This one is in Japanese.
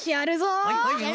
はいはいはいはい。